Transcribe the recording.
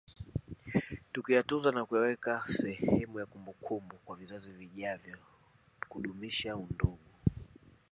Tukiyatunza na kuweka sehemu ya kumbukumbu kwa vizazi vijavyo kudumisha undugu